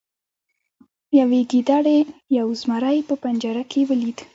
یوې ګیدړې یو زمری په پنجره کې ولید.